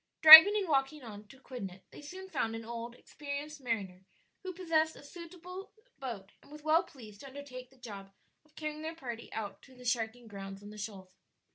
Driving and walking on to Quidnet they soon found an old, experienced mariner who possessed a suitable boat and was well pleased to undertake the job of carrying their party out to the sharking grounds on the shoals.